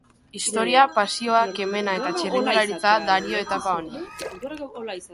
Historia, pasioa, kemena eta txirrindularitza dario etapa honi.